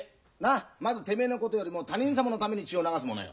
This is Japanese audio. まずてめえのことよりも他人様のために血を流すものよ。